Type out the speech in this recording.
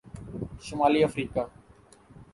شمالی افریقہ